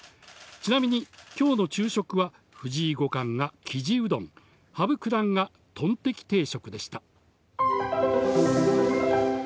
ちなみにきょうの昼食は、藤井五冠がキジうどん、羽生九段がトンテキ定食でした。